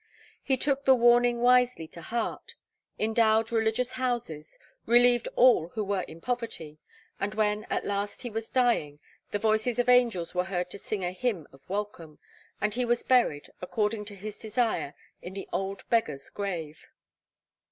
He took the warning wisely to heart, endowed religious houses, relieved all who were in poverty, and when at last he was dying, the voices of angels were heard to sing a hymn of welcome; and he was buried, according to his desire, in the old beggar's grave.